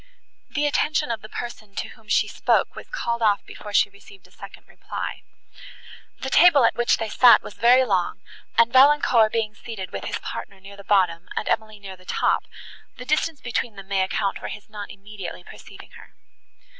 The attention of the person, to whom she spoke, was called off before she received a second reply. The table, at which they sat, was very long, and, Valancourt being seated, with his partner, near the bottom, and Emily near the top, the distance between them may account for his not immediately perceiving her.